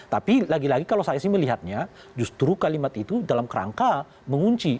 tapi lagi lagi kalau saya sih melihatnya justru kalimat itu dalam kerangka mengunci